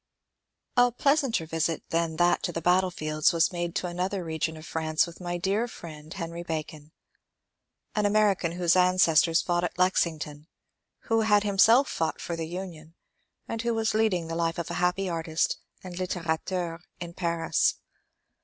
A pleasanter visit than that to the battlefields was made to another region of France with my dear friend Henry Ba con, — an American whose ancestors fought at Lexington, who had himself fought for the Union, and who was leading the life of a happy artist and litterateur in Paris.